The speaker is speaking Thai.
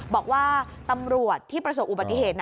บอกว่าตำรวจที่ประสบอุบัติเหตุ